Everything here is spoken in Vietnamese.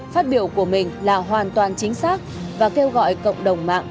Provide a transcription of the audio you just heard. phát biểu của mình là hoàn toàn chính xác và kêu gọi cộng đồng mạng